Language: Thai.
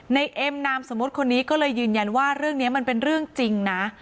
เอ็มนามสมมติคนนี้ก็เลยยืนยันว่าเรื่องนี้มันเป็นเรื่องจริงนะ